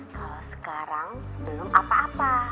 kalau sekarang belum apa apa